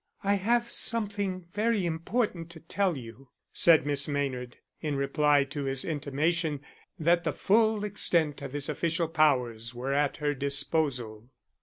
"I have something very important to tell you," said Miss Maynard, in reply to his intimation that the full extent of his official powers were at her disposal.